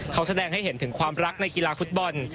เขาแสดงให้เห็นถึงความรักในกีฬาฟุตบอล